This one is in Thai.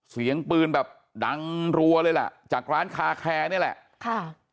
เสียงปืนแบบดังรัวเลยล่ะจากร้านคาแคร์นี่แหละค่ะ